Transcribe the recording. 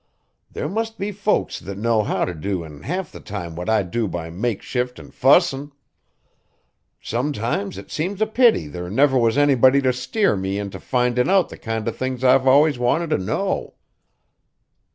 There must be folks that know how to do in half the time what I do by makeshift an' fussin'. Sometimes it seems a pity there never was anybody to steer me into findin' out the kind of things I've always wanted to know."